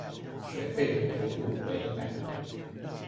水沸騰的溫度為一百度